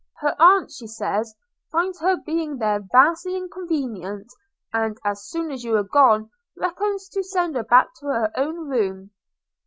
Her aunt, she says, finds her being there vastly inconvenient; and, as soon as you are gone, reckons to send her back to her own room.'